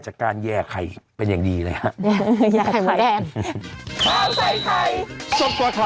จากการแย่ไข่เป็นอย่างดีเลยครับ